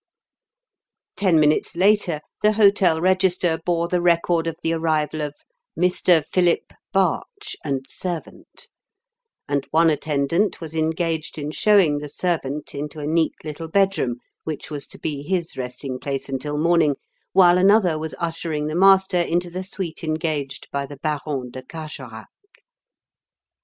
Ten minutes later the hotel register bore the record of the arrival of "Mr. Philip Barch and servant"; and one attendant was engaged in showing the servant into a neat little bedroom which was to be his resting place until morning while another was ushering the master into the suite engaged by the Baron de Carjorac.